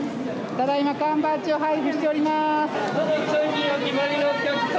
ただいま缶バッジを配布しております。